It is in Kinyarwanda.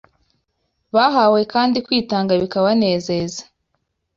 bahawe kandi kwitanga bikabanezeza